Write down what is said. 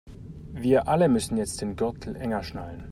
Wir alle müssen jetzt den Gürtel enger schnallen.